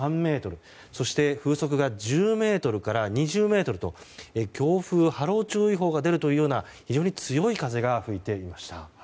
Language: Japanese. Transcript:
そして風速が１０メートルから２０メートルと強風波浪注意報が出るような非常に強い風が吹いていました。